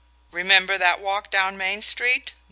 Remember that walk down Main Street?